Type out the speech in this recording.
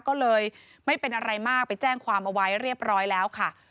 ก็เลยไม่เป็นอะไรมากไปแจ้งความเอาไว้เรียบร้อยแล้วค่ะ